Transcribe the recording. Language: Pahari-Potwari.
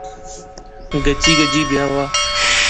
گجی بجی بیاہ وہا